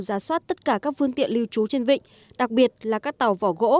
giá soát tất cả các phương tiện lưu trú trên vịnh đặc biệt là các tàu vỏ gỗ